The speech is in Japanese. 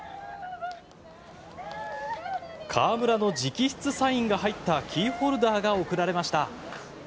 河村の直筆サインが入ったキーホルダーが贈られました。